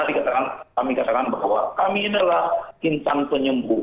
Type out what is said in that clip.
dikatakan kami katakan bahwa kami adalah insan penyembuh